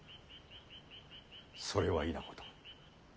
それは異なこと。